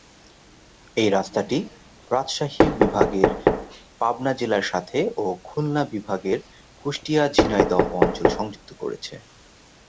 এই রাস্তাটি রাজশাহী বিভাগের পাবনা জেলার সাথে ও খুলনা বিভাগের কুষ্টিয়া-ঝিনাইদহ অঞ্চল সংযুক্ত করেছে।